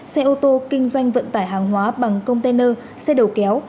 xe ô tô kinh doanh vận tải hàng hóa bằng container xe đầu kéo